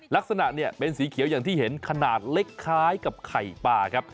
ลักษณะเนี่ยเป็นสีเขียวอย่างที่เห็นขนาดเล็กคล้ายกับไข่ปลาครับ